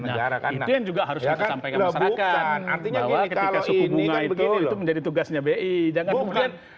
negara karena juga harus sampai ke masyarakat artinya ini menjadi tugasnya bi jangan mungkin